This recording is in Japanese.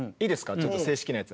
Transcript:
ちょっと正式なやつ。